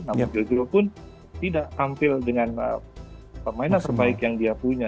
namun jogero pun tidak tampil dengan pemain yang terbaik yang dia punya